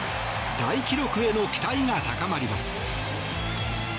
大記録への期待が高まります。